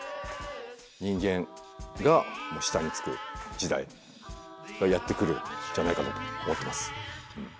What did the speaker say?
人間がもう下につく時代がやって来るんじゃないかなと思っています。